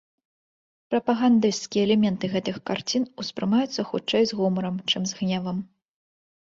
Прапагандысцкія элементы гэтых карцін успрымаюцца хутчэй з гумарам, чым з гневам.